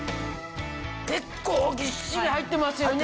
結構ぎっしり入ってますよね。